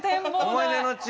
えっ思い出の地？